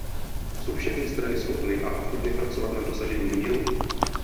Jsou všechny strany schopny a ochotny pracovat na dosažení míru?